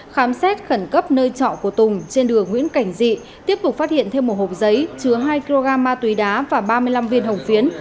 khám xét khẩn cấp nơi trọ của tùng trên đường nguyễn cảnh dị tiếp tục phát hiện thêm một hộp giấy chứa hai kg ma túy đá và ba mươi năm viên hồng phiến